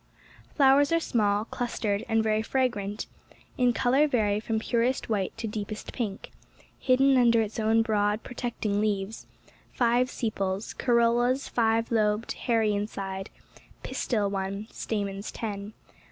Flowers are small, clustered, and very fra grant — in colour vary from purest white to deepest pink — hidden under its own broad, protecting leaves— five sepals— corollas five lobed, hairy inside— pistil one— stamens ten.